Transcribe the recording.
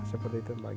seperti itu mbak gita